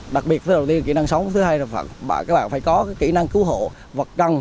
đặc biệt thứ đầu tiên kỹ năng sống thứ hai là các bạn phải có kỹ năng cứu hộ vật căng